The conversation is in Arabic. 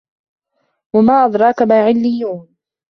وَما أَدراكَ ما عِلِّيّونَ